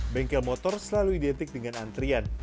bengkel motor selalu identik dengan antrian